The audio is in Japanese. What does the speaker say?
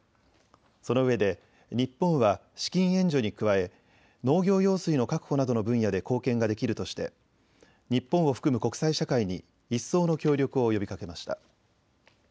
そのうえで日本は資金援助に加え農業用水の確保などの分野で貢献ができるとして日本を含む国際社会に一層の協力を呼びかけました。